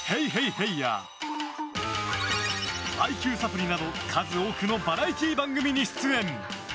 ＨＥＹ！」や「ＩＱサプリ」など数多くのバラエティー番組に出演。